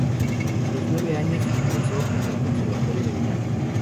A los nueve años ingresó en el conservatorio de Milán.